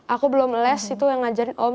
aku belum les itu yang ngajarin om